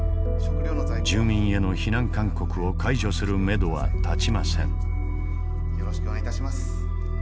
住民への避難勧告を解除するメドは立ちません。